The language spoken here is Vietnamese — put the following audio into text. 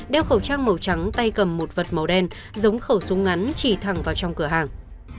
đeo khẩu trang màu trắng tay cầm một vật màu đen giống khẩu súng ngắn chỉ thẳng vào trong cửa hàng